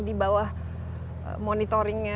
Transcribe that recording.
di bawah monitoringnya